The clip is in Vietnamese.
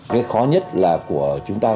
cái khó nhất là của chúng ta